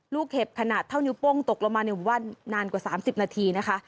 เห็บขนาดเท่านิ้วโป้งตกลงมาในหมู่บ้านนานกว่า๓๐นาทีนะคะ